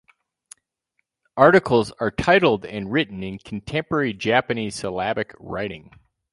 Articles are titled and written in contemporary Japanese syllabic writing.